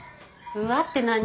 「うわ」って何。